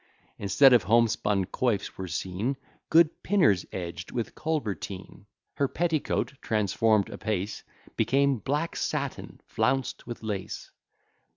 Instead of homespun coifs, were seen Good pinners edg'd with colberteen; Her petticoat, transform'd apace, Became black satin, flounced with lace.